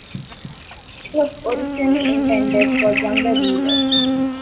It was originally intended for younger readers.